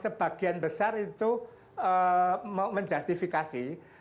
sebagian besar itu menjastifikasi